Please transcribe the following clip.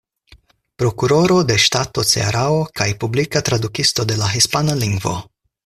Prokuroro de Ŝtato Cearao kaj publika tradukisto de la hispana lingvo.